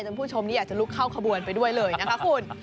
คุณผู้ชมนี่อยากจะลุกเข้าขบวนไปด้วยเลยนะคะคุณ